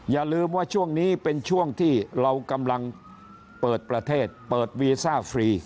อย่าลืมว่าช่วงนี้เป็นช่วงที่เรากำลังเปิดประเทศเปิดวีซ่าฟรี